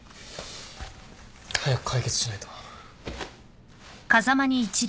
早く解決しないと。